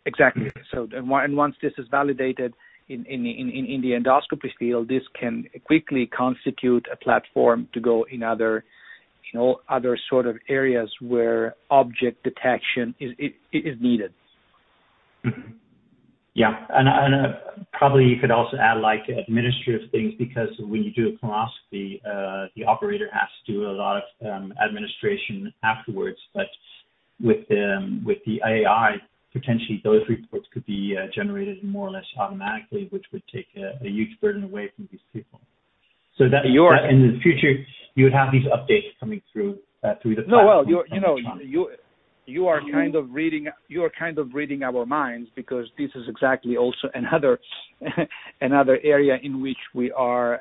Exactly. Once this is validated in the endoscopy field, this can quickly constitute a platform to go in other sort of areas where object detection is needed. Yeah. Probably you could also add like administrative things, because when you do a colonoscopy, the operator has to do a lot of administration afterwards. With the AI, potentially those reports could be generated more or less automatically, which would take a huge burden away from these people. That in the future, you would have these updates coming through the platform. No. Well, you are reading our minds because this is exactly also another area in which we are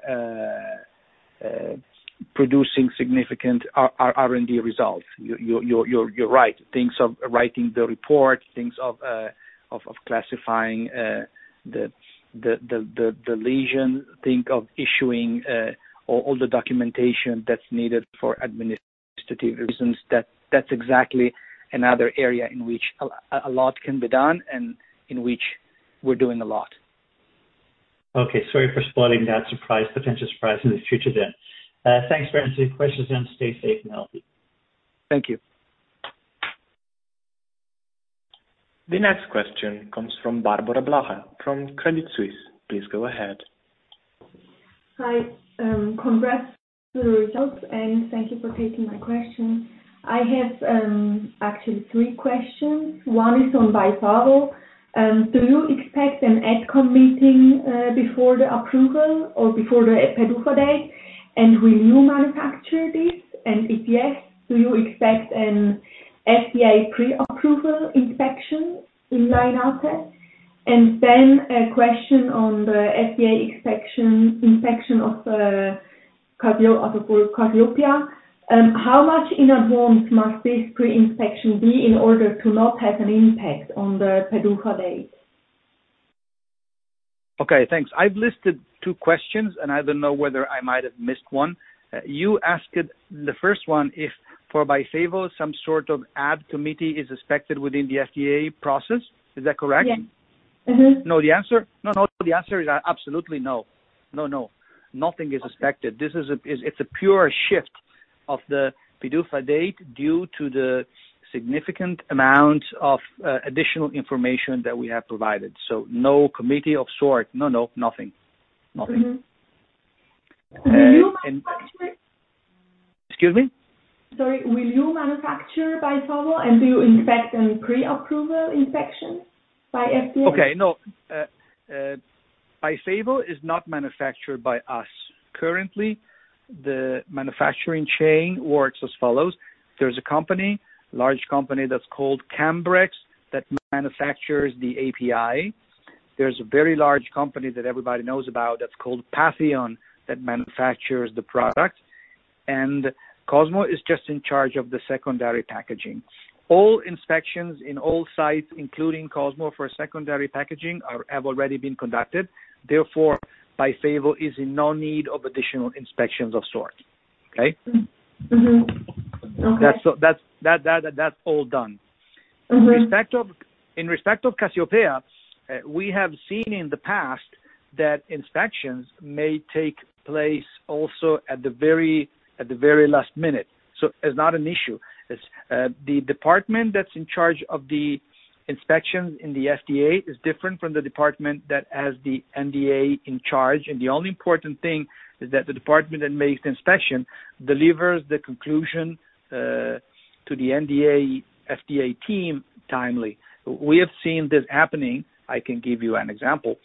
producing significant R&D results. You're right. Think of writing the report, think of classifying the lesion, think of issuing all the documentation that's needed for administrative reasons. That's exactly another area in which a lot can be done and in which we're doing a lot. Okay. Sorry for spoiling that potential surprise in the future then. Thanks very much for your questions. Stay safe and healthy. Thank you. The next question comes from Barbora Blaha from Credit Suisse. Please go ahead. Hi. Congrats to the results. Thank you for taking my question. I have actually three questions. One is on BYFAVO. Do you expect an Advisory Committee meeting before the approval or before the PDUFA date? Will you manufacture this? If yes, do you expect an FDA pre-approval inspection in Lainate? A question on the FDA inspection of the Cassiopea. How much in advance must this pre-inspection be in order to not have an impact on the PDUFA date? Okay, thanks. I've listed two questions, and I don't know whether I might have missed one. You asked the first one, if for BYFAVO, some sort of Advisory Committee is expected within the FDA process. Is that correct? Yes. Mm-hmm. No, the answer is absolutely no. No. Nothing is expected. Okay. It's a pure shift of the PDUFA date due to the significant amount of additional information that we have provided. No committee of sort. No, nothing. Mm-hmm. Will you manufacture? Excuse me? Sorry. Will you manufacture BYFAVO, and do you expect a pre-approval inspection by FDA? Okay. No. BYFAVO is not manufactured by us. Currently, the manufacturing chain works as follows. There's a company, large company that's called Cambrex, that manufactures the API. There's a very large company that everybody knows about that's called Patheon, that manufactures the product, and Cosmo is just in charge of the secondary packaging. All inspections in all sites, including Cosmo for secondary packaging, have already been conducted. Therefore, BYFAVO is in no need of additional inspections of sort. Okay? Mm-hmm. Okay. That's all done. In respect of Cassiopea, we have seen in the past that inspections may take place also at the very last minute. It's not an issue. The department that's in charge of the inspections in the FDA is different from the department that has the NDA in charge. The only important thing is that the department that makes inspection delivers the conclusion to the NDA FDA team timely. We have seen this happening. I can give you an example.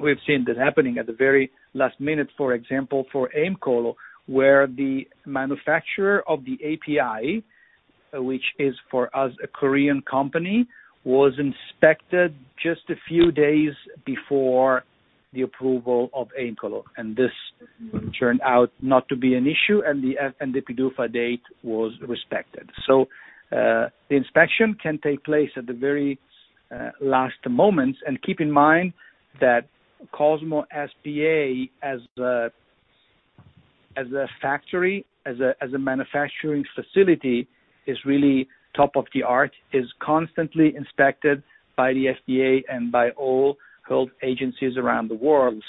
We've seen this happening at the very last minute, for example, for Aemcolo, where the manufacturer of the API, which is for us a Korean company, was inspected just a few days before the approval of Aemcolo. This turned out not to be an issue, and the PDUFA date was respected. The inspection can take place at the very last moments. Keep in mind that Cosmo S.p.A. as a factory, as a manufacturing facility, is really top of the art, is constantly inspected by the FDA and by all health agencies around the world.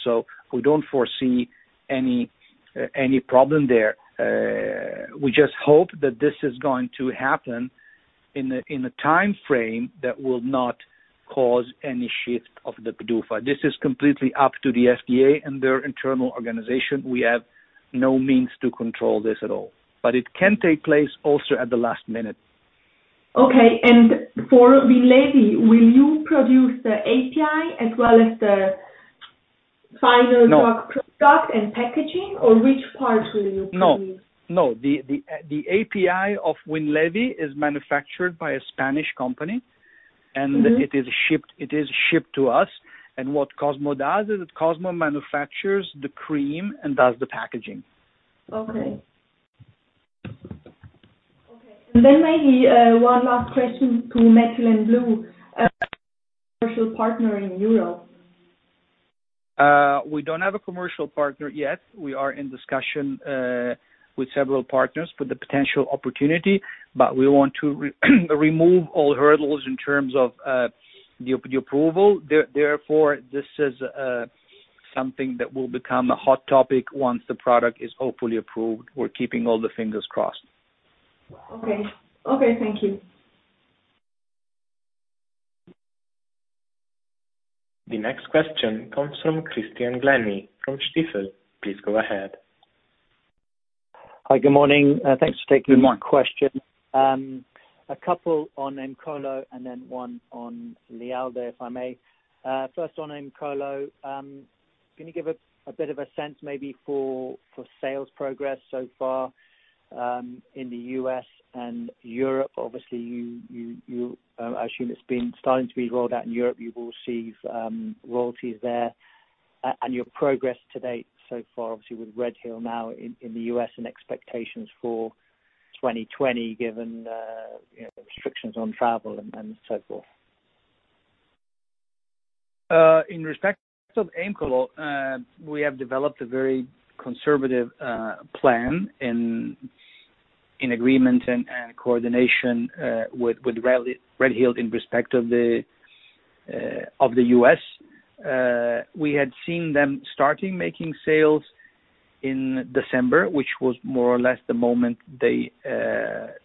We don't foresee any problem there. We just hope that this is going to happen in a timeframe that will not cause any shift of the PDUFA. This is completely up to the FDA and their internal organization. We have no means to control this at all. It can take place also at the last minute. Okay. For Winlevi, will you produce the API as well as the final-? No. Product and packaging, or which part will you produce? No. The API of Winlevi is manufactured by a Spanish company. It is shipped to us. What Cosmo does is Cosmo manufactures the cream and does the packaging. Okay. Maybe one last question to RedHill Biopharma and Blue, commercial partner in Europe. We don't have a commercial partner yet. We are in discussion with several partners for the potential opportunity, but we want to remove all hurdles in terms of the approval. Therefore, this is something that will become a hot topic once the product is hopefully approved. We're keeping all the fingers crossed. Okay. Thank you. The next question comes from Christian Glennie from Stifel. Please go ahead. Hi, good morning. Thanks for taking my question. Good morning. A couple on Aemcolo and then one on LIALDA, if I may. First on Aemcolo, can you give a bit of a sense maybe for sales progress so far, in the U.S. and Europe? Obviously, I assume it's been starting to be rolled out in Europe. You will receive royalties there. Your progress to date so far, obviously with RedHill Biopharma now in the U.S. and expectations for 2020, given restrictions on travel and so forth. In respect of Aemcolo, we have developed a very conservative plan in agreement and coordination with RedHill in respect of the U.S. We had seen them starting making sales in December, which was more or less the moment they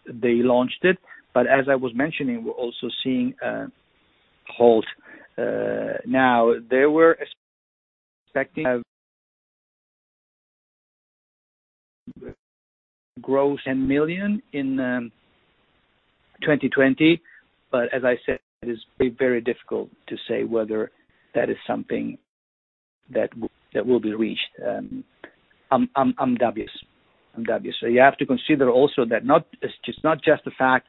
launched it. As I was mentioning, we're also seeing a halt. They were expecting to have gross CHF 10 million in 2020. As I said, it is very difficult to say whether that is something that will be reached. I'm dubious. You have to consider also that it's not just the fact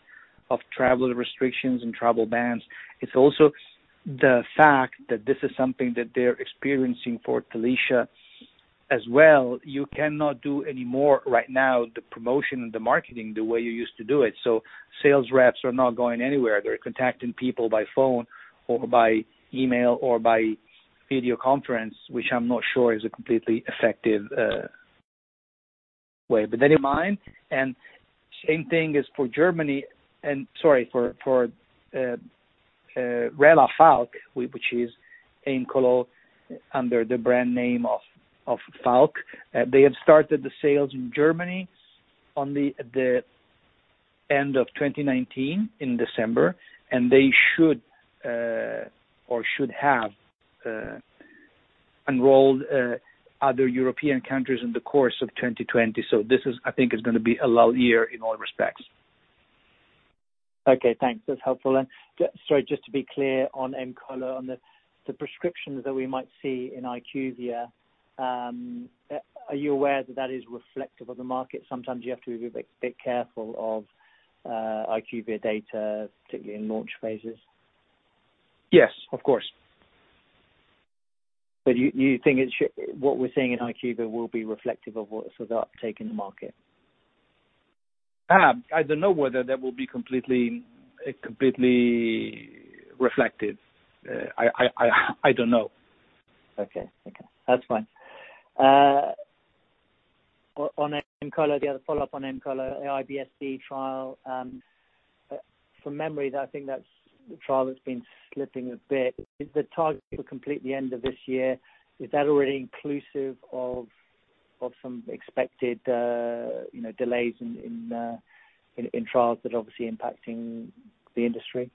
of travel restrictions and travel bans, it's also the fact that this is something that they're experiencing for Talicia as well. You cannot do any more right now, the promotion and the marketing the way you used to do it. Sales reps are not going anywhere. They're contacting people by phone or by email or by video conference, which I'm not sure is a completely effective way. That in mind, same thing is for Relafalk, which is Aemcolo under the brand name of Falk. They have started the sales in Germany on the end of 2019 in December, they should or should have enrolled other European countries in the course of 2020. This, I think, is going to be a lull year in all respects. Okay, thanks. That's helpful. Sorry, just to be clear on Aemcolo, on the prescriptions that we might see in IQVIA, are you aware that is reflective of the market? Sometimes you have to be a bit careful of IQVIA data, particularly in launch phases. Yes, of course. You think what we're seeing in IQVIA will be reflective of what is without taking the market? I don't know whether that will be completely reflective. I don't know. Okay. That's fine. The other follow-up on Aemcolo, the IBS-D trial. From memory, I think that's the trial that's been slipping a bit. Is the target to complete the end of this year, is that already inclusive of some expected delays in trials that are obviously impacting the industry?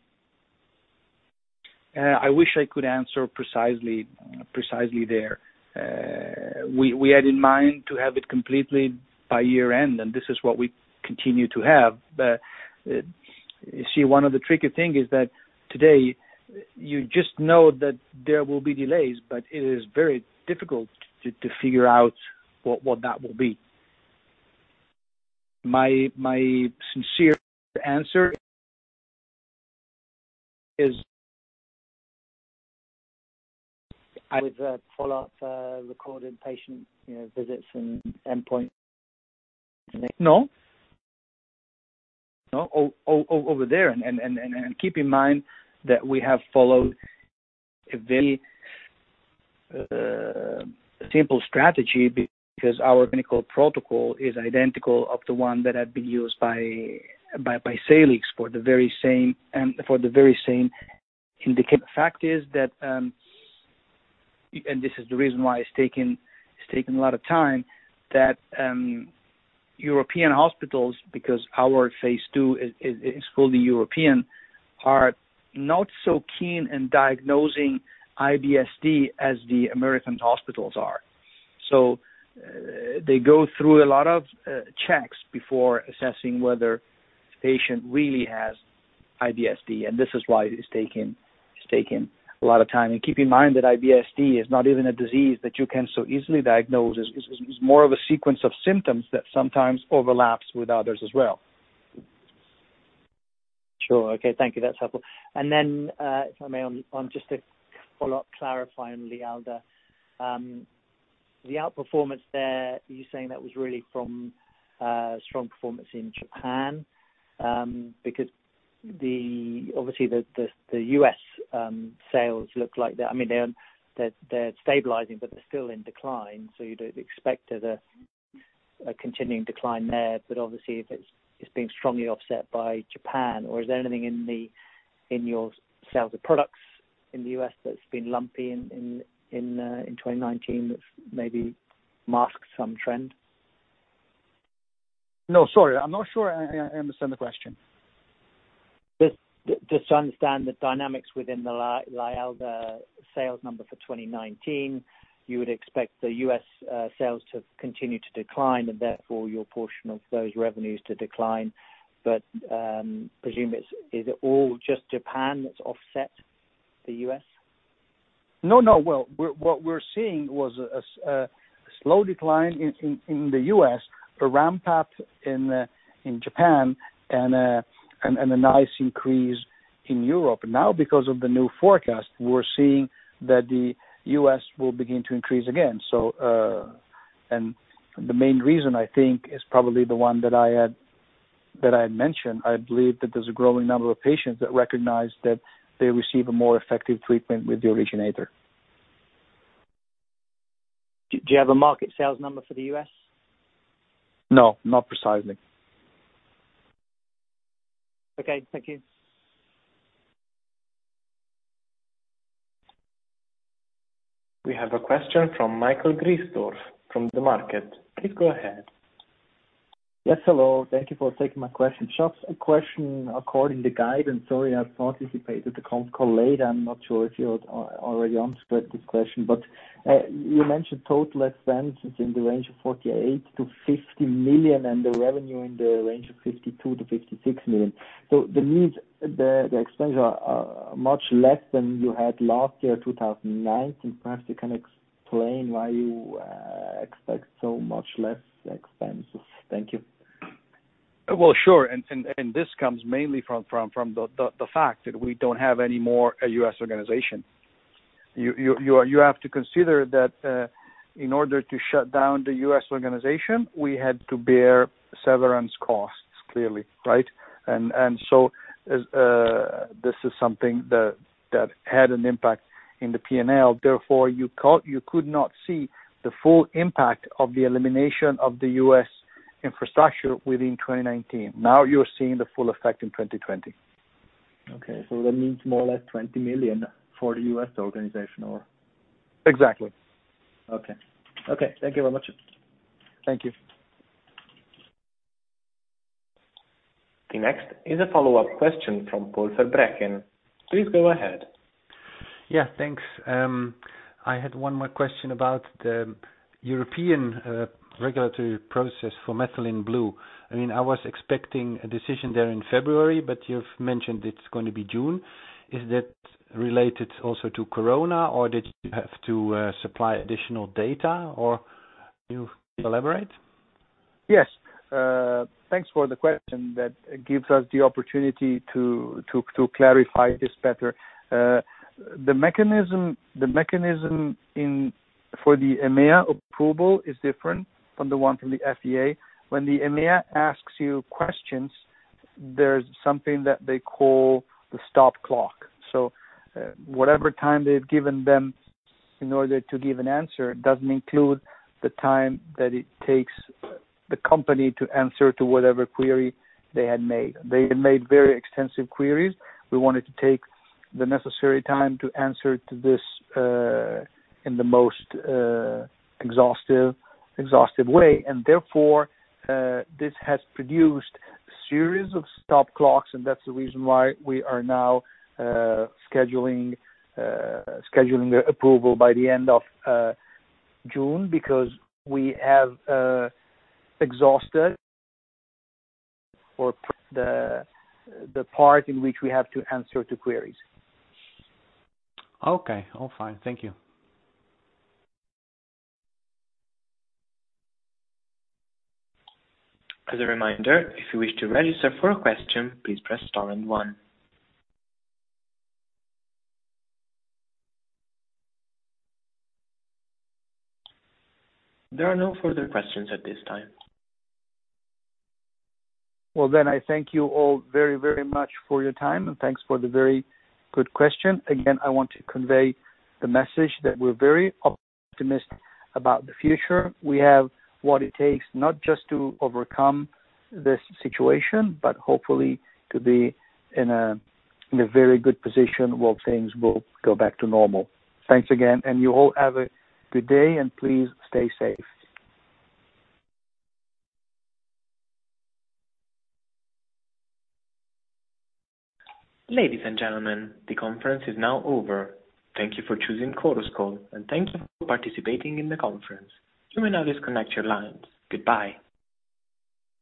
I wish I could answer precisely there. We had in mind to have it completely by year-end. This is what we continue to have. You see, one of the tricky thing is that today you just know that there will be delays, but it is very difficult to figure out what that will be. My simple answer is. With a follow-up recorded patient visits and endpoint. No. Over there, keep in mind that we have followed a very simple strategy because our clinical protocol is identical of the one that had been used by Salix for the very same indication. The fact is that, this is the reason why it's taking a lot of time that European hospitals, because our phase II is called the European, are not so keen in diagnosing IBS-D as the American hospitals are. They go through a lot of checks before assessing whether a patient really has IBS-D, this is why It's taking a lot of time. Keep in mind that IBS-D is not even a disease that you can so easily diagnose. It's more of a sequence of symptoms that sometimes overlaps with others as well. Sure. Okay. Thank you. That's helpful. If I may, on just a follow-up clarifying LIALDA. The outperformance there, you're saying that was really from strong performance in Japan? The U.S. sales look like they're stabilizing, but they're still in decline. You'd expect a continuing decline there, but obviously it's being strongly offset by Japan, or is there anything in your sales of products in the U.S. that's been lumpy in 2019 that maybe masks some trend? No, sorry. I'm not sure I understand the question. Just to understand the dynamics within the LIALDA sales number for 2019. You would expect the U.S. sales to continue to decline and therefore your portion of those revenues to decline. I presume, is it all just Japan that's offset the U.S.? No. What we're seeing was a slow decline in the U.S., a ramp-up in Japan and a nice increase in Europe. Because of the new forecast, we're seeing that the U.S. will begin to increase again. The main reason I think is probably the one that I had mentioned. I believe that there's a growing number of patients that recognize that they receive a more effective treatment with the originator. Do you have a market sales number for the U.S.? No, not precisely. Okay. Thank you. We have a question from Michael Christof from The Market. Please go ahead. Yes. Hello. Thank you for taking my question. Just a question according to guidance, sorry, I participated the con call late. I am not sure if you already answered this question, but you mentioned total expenses in the range of $48 million-$50 million and the revenue in the range of $52 million-$56 million. That means the expenses are much less than you had last year, 2019. Perhaps you can explain why you expect so much less expenses. Thank you. Well, sure. This comes mainly from the fact that we don't have any more U.S. organization. You have to consider that in order to shut down the U.S. organization, we had to bear severance costs clearly, right? This is something that had an impact in the P&L, therefore you could not see the full impact of the elimination of the U.S. infrastructure within 2019. Now you're seeing the full effect in 2020. Okay. That means more or less 20 million for the U.S. organization or? Exactly. Okay. Thank you very much. Thank you. Next is a follow-up question from Paul Verbraeken. Please go ahead. Yeah. Thanks. I had one more question about the European regulatory process for Methylene Blue. I was expecting a decision there in February, but you've mentioned it's going to be June. Is that related also to corona or did you have to supply additional data or can you elaborate? Yes. Thanks for the question. That gives us the opportunity to clarify this better. The mechanism for the European Medicines Agency approval is different from the one from the FDA. When the European Medicines Agency asks you questions, there's something that they call the stop clock. Whatever time they've given them in order to give an answer doesn't include the time that it takes the company to answer to whatever query they had made. They had made very extensive queries. We wanted to take the necessary time to answer to this in the most exhaustive way. Therefore, this has produced a series of stop clocks and that's the reason why we are now scheduling approval by the end of June because we have exhausted the part in which we have to answer to queries. Okay. All fine. Thank you. As a reminder, if you wish to register for a question, please press star and one. There are no further questions at this time. Well, I thank you all very much for your time and thanks for the very good question. Again, I want to convey the message that we're very optimistic about the future. We have what it takes not just to overcome this situation, but hopefully to be in a very good position while things will go back to normal. Thanks again, and you all have a good day, and please stay safe. Ladies and gentlemen, the conference is now over. Thank you for choosing Chorus Call and thanks for participating in the conference. You may now disconnect your lines. Goodbye.